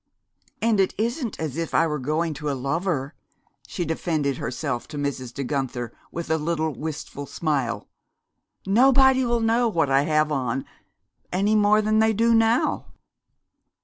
"And it isn't as if I were going to a lover," she defended herself to Mrs. De Guenther with a little wistful smile. "Nobody will know what I have on, any more than they do now."